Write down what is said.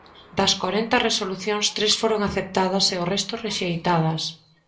Das corenta resolucións, tres foron aceptadas e o resto rexeitadas.